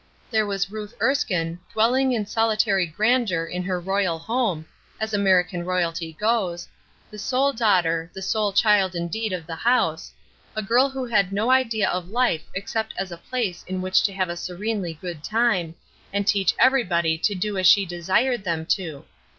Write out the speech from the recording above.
There was Ruth Erskine, dwelling in solitary grandeur in her royal home, as American royalty goes, the sole daughter, the sole child indeed of the house, a girl who had no idea of life except as a place in which to have a serenely good time, and teach everybody to do as she desired them to.